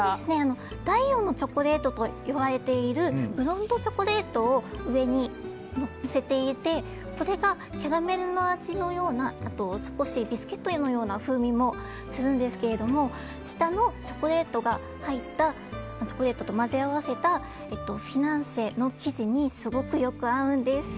第４のチョコレートといわれているブロンドチョコレートを上にのせていてそれがキャラメルの味のような少しビスケットのような風味もするんですけど下のチョコレートと混ぜ合わせたフィナンシェの生地にすごく良く合うんです。